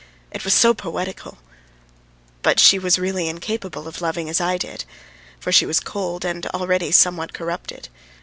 It was so poetical! But she was incapable of really loving as I did, for she was cold and already somewhat corrupted.